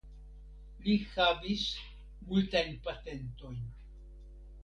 Li havis multajn patentojn.